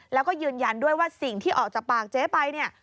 แล้วก็ยืนยันด้วยว่าสิ่งที่ออกจากปากเจ๊ไปเนี่ย